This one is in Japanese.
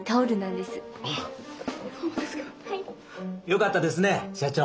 よかったですね社長。